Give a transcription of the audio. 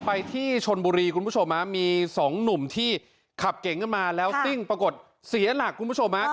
ไปที่ชนบุรีคุณผู้ชมมีสองหนุ่มที่ขับเก๋งกันมาแล้วซิ่งปรากฏเสียหลักคุณผู้ชมฮะ